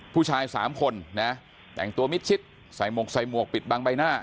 ผู้ชาย๓คนนะแต่งตัวมิดชิดใส่หมวกใส่หมวกปิดบังใบหน้า